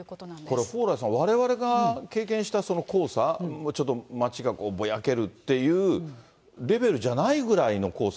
これ、蓬莱さん、われわれが経験した黄砂、ちょっと街がぼやけるっていうレベルじゃないぐらいの黄砂。